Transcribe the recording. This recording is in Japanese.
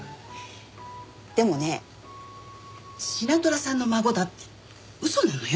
でもねシナトラさんの孫だっての嘘なのよ。